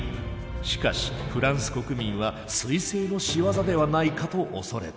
しかしフランス国民は彗星の仕業ではないかと恐れた。